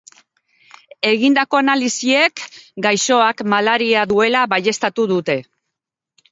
Egindako analisiek gaixoak malaria duela baieztatu dute.